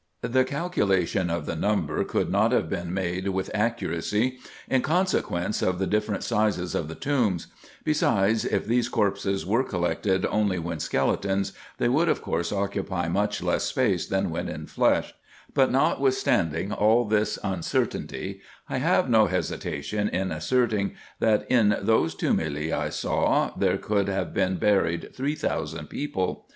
The calculation of the number could not have been made with accuracy, in consequence of the different sizes of the tombs; besides, if these corpses were collected only when skeletons, they would of course occupy much less space than when in flesh ; but, notwithstanding all this uncertainty, I have no hesitation in asserting that, in those tumuli I saw, there could have been buried 3000 people.